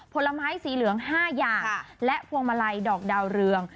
ผลไม้สีเหลือง๕อย่างและพวงมาลัยดอกดาวเรือง